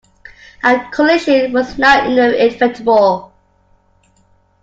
A collision was now inevitable.